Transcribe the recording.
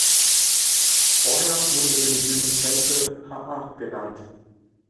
Vorher wurden die religiösen Tänze "haʻa" genannt.